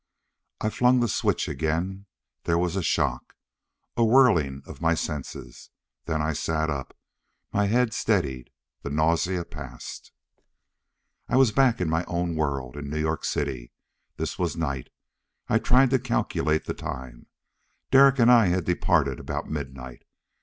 I flung the switch again. There was a shock. A whirling of my senses. Then I sat up; my head steadied. The nausea passed. I was back in my own world, in New York City. This was night: I tried to calculate the time. Derek and I had departed about midnight.